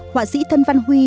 hoa sĩ thân văn huy